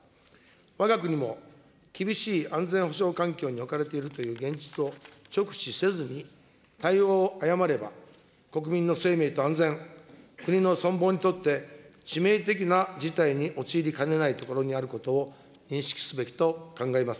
わが国も厳しい安全保障環境に置かれているという現実を直視せずに、対応を誤れば、国民の生命と安全、国の存亡にとって致命的な事態に陥りかねないところにあることを認識すべきと考えます。